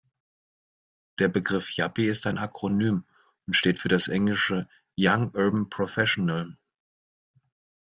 Der Begriff Yuppie ist ein Akronym und steht für das englische young urban professional.